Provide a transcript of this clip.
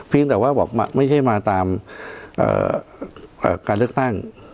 แต่ว่าบอกไม่ใช่มาตามการเลือกตั้ง